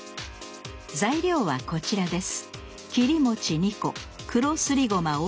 材料はこちらです